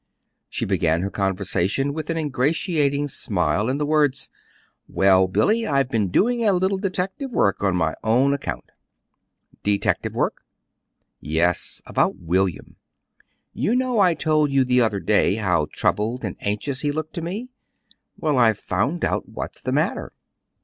She began her conversation with an ingratiating smile and the words: "Well, Billy, I've been doing a little detective work on my own account." "Detective work?" "Yes; about William. You know I told you the other day how troubled and anxious he looked to me. Well, I've found out what's the matter."